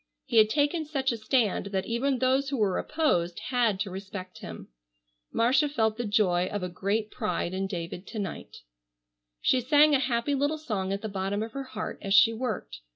He had taken such a stand that even those who were opposed had to respect him. Marcia felt the joy of a great pride in David to night. She sang a happy little song at the bottom of her heart as she worked.